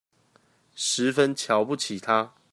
十分瞧不起他